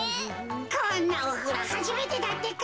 こんなおふろはじめてだってか。